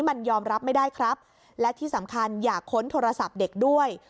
มันยอมรับไม่ได้ครับและที่สำคัญอย่าค้นโทรศัพท์เด็กด้วย